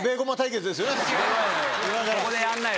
ここでやんないよ